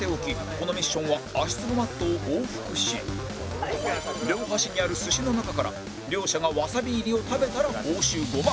このミッションは足つぼマットを往復し両端にある寿司の中から両者がワサビ入りを食べたら報酬５万